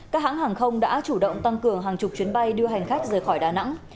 các hãng hàng không đã chủ động tăng cường hàng chục chuyến bay đưa hành khách rời khỏi đà nẵng